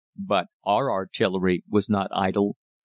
"But our artillery was not idle.